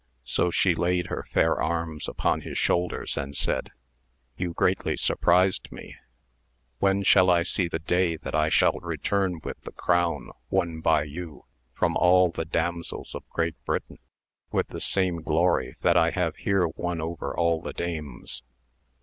So she laid her fair rms upon his shoulders and said, you greatly surprized le ! when shall I see the day that I shall return with ie crown won by you from all the damsels of Great ritain, with the same glory that I have here won i^^er all the dames